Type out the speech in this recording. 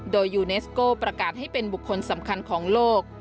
โดยยูเนสโก้ประกาศให้เป็นบุคคลสำคัญของโลก